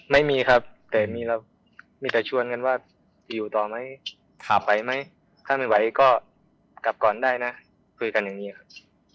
ไม่มีครับแต่มีเรามีแต่ชวนกันว่าจะอยู่ต่อไหมไหวไหมถ้าไม่ไหวก็กลับก่อนได้นะคุยกันอย่างนี้ครับ